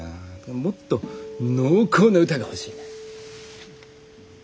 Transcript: もっと濃厚な歌が欲しい。